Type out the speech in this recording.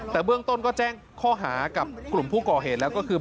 แต่เบื้องต้นก็แจ้งข้อหากับกลุ่มผู้ก่อเหตุแล้วก็คือ